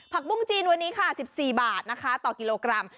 ปุ้งจีนวันนี้ค่ะ๑๔บาทนะคะต่อกิโลกรัม